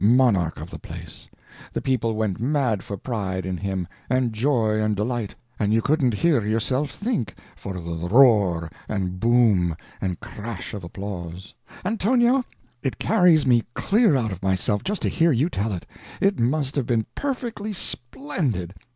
monarch of the place. The people went mad for pride in him, and joy and delight, and you couldn't hear yourself think, for the roar and boom and crash of applause." "Antonio, it carries me clear out of myself just to hear you tell it; it must have been perfectly splendid.